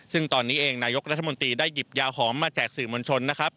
ซึ่งตอนนี้เองนายกรัฐมนตรีได้หยิบยาหอมมาแจกสื่อมวลชนนะครับ